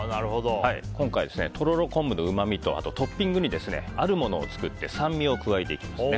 今回とろろ昆布のうまみとトッピングにあるものを作って酸味を加えていきます。